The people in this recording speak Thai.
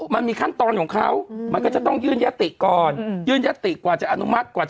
มันมีขั้นตอนของเค้ามันก็จะต้องยืนญาติก่อน